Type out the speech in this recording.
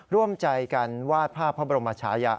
ร่วมใจกันวาดภาพพระบรมชายะ